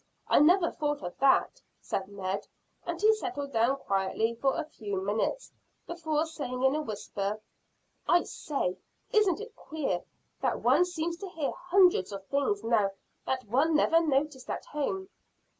I never thought of that," said Ned, and he settled down quietly for a few minutes, before saying in a whisper: "I say, isn't it queer that one seems to hear hundreds of things now that one never noticed at home?"